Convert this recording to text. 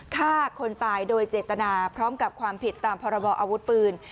ฆ่าคนตายโดยเจตนาพร้อมกับความผิดตามพรบออาวุธปืน